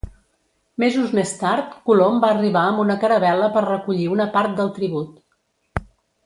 Mesos més tard, Colom va arribar amb una caravel·la per recollir una part del tribut.